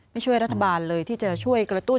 ไม่ช่วยรัฐบาลเลยที่จะช่วยกระตุ้น